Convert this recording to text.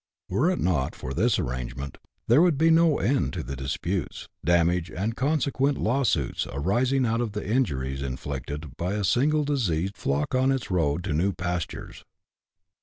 Were it not for this arrangement there would be no end to the disputes, damage, and consequent law suits arising out of the injuries inflicted by a single diseased flock on its road to new pastures.